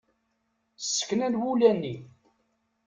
Ssekna n wulani.